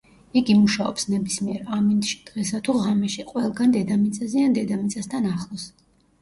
იგი მუშაობს ნებისმიერ ამინდში, დღესა თუ ღამეში, ყველგან დედამიწაზე ან დედამიწასთან ახლოს.